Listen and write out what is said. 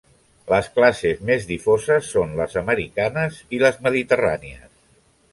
Les classes més difoses són les americanes i les mediterrànies.